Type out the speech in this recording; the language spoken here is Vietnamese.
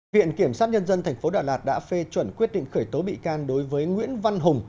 viện kiểm sát nhân dân tp đà lạt đã phê chuẩn quyết định khởi tố bị can đối với nguyễn văn hùng